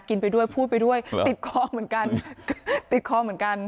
ไปด้วยพูดไปด้วยติดคอเหมือนกันติดคอเหมือนกัน